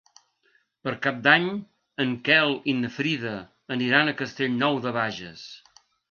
Per Cap d'Any en Quel i na Frida aniran a Castellnou de Bages.